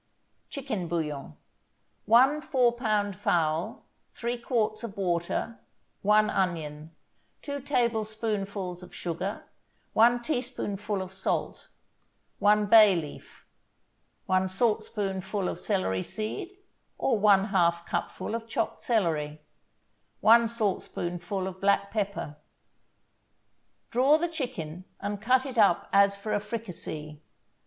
CHICKEN BOUILLON 1 four pound fowl 3 quarts of water 1 onion 2 tablespoonfuls of sugar 1 teaspoonful of salt 1 bay leaf 1 saltspoonful of celery seed, or one half cupful of chopped celery 1 saltspoonful of black pepper Draw the chicken and cut it up as for a fricassee.